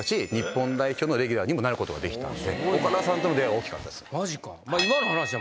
岡田さんとの出会いは大きかったです。